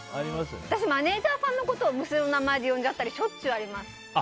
私、マネジャーさんのことを娘の名前で呼んじゃったりしょっちゅうあります。